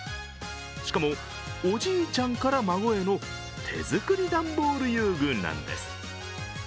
しかも、おじいちゃんから孫への手作り段ボール遊具なんです。